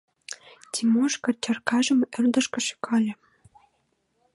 Тимошка чаркажым ӧрдыжкӧ шӱкале.